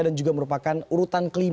dan juga merupakan urutan ke lima